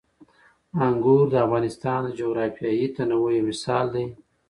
انګور د افغانستان د جغرافیوي تنوع یو مثال دی.